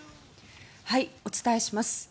お伝えします。